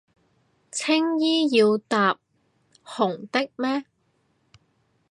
青衣都要搭紅的咩？